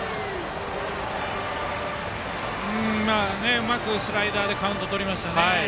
うまくスライダーでカウントをとりましたね。